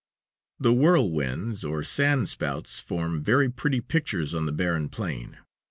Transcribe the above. The whirlwinds, or sand spouts, form very pretty pictures on the barren plain.